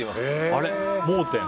あれ、盲点。